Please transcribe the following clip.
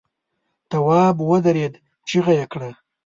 تواب ودرېد، چيغه يې کړه!